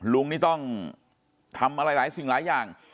ลุงนี่ต้องทำอะไรหลายสิ่งหลายอย่าง